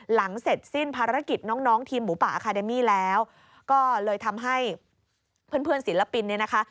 หลังเสร็จสิ้นภารกิจน้องทีมหมูป่าอาคาเดมี่แล้วก็เลยทำให้เพื่อนศิลปินเนี่ยนะคะ